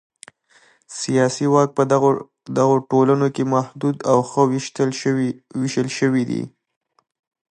سیاسي واک په دغو ټولنو کې محدود او ښه وېشل شوی دی.